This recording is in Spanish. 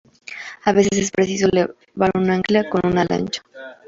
A veces es preciso levar un ancla con una lancha.